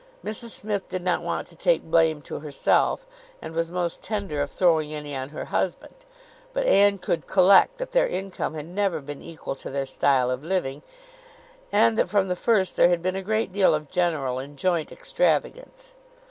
Mrs Smith did not want to take blame to herself, and was most tender of throwing any on her husband; but Anne could collect that their income had never been equal to their style of living, and that from the first there had been a great deal of general and joint extravagance.